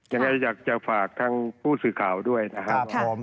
อยากจะฝากทางผู้สื่อข่าวด้วยนะครับ